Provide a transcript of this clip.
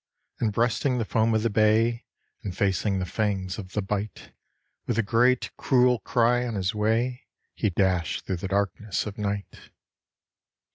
And breasting the foam of the bay, and facing the fangs of the bight, With a great cruel cry on his way, he dashed through the darkness of night.